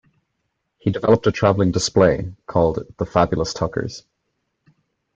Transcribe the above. He developed a traveling display called "The Fabulous Tuckers".